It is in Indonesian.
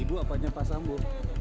ibu apanya pak sambu